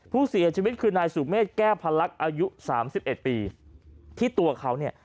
ผู้เสียชีวิตคือนายสุเมฆแก้วพลักษณ์อายุสามสิบเอ็ดปีที่ตัวเขาเนี่ย